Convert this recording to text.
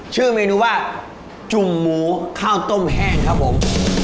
ชื่อเมนูว่าจุ่มหมูข้าวต้มแห้งครับผม